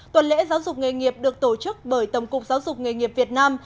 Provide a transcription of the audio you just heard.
tuần lễ giáo dục nghề nghiệp được tổ chức bởi tổng cục giáo dục nghề nghiệp việt nam